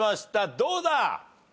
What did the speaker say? どうだ？